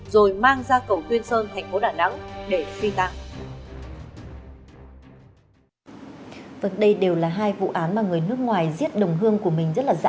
rồi mang về nhà đồng hương